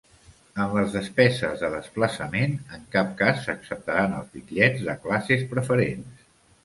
En les despeses de desplaçament, en cap cas s'acceptaran els bitllets de classes preferents.